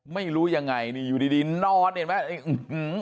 ไม่รู้ยังไงนี่อยู่ดีนอนเห็นไหม